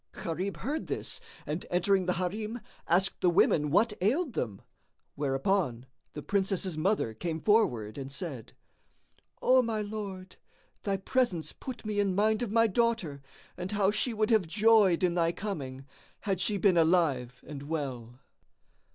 Gharib heard this and entering the Harim, asked the women what ailed them, whereupon the Princess's mother came forward and said, "O my lord, thy presence put me in mind of my daughter and how she would have joyed in thy coming, had she been alive and well."